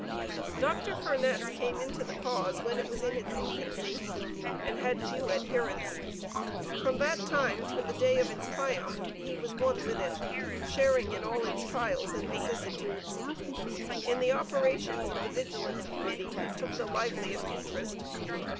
Dr. Furness came into the cause when it was in its infancy, and had few adherents. From that time till the day of its triumph he was one with it, sharing in all its trials and vicissitudes. In the operations of the Vigilance Committee he took the liveliest interest.